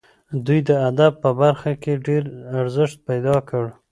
دوی د ادب په برخه کې ډېر ارزښت پیدا کړ.